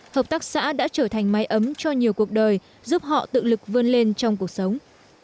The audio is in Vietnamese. hợp tác xã đã trở thành mái ấm cho nhiều cuộc đời giúp họ tự lực vươn lên trong cuộc sống